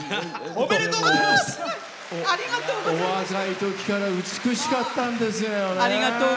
お若いときから美しかったんですよね。